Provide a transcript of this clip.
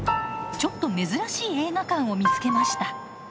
ちょっと珍しい映画館を見つけました。